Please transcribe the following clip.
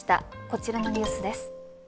こちらのニュースです。